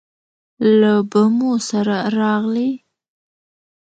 له بمو سره راغلې